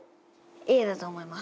Ａだと思います。